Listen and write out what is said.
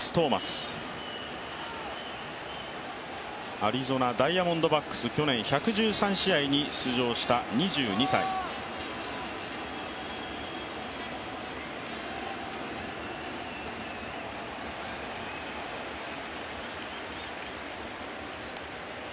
アリゾナ・ダイヤモンドバックス去年１１３試合に出場した２２歳、トーマス。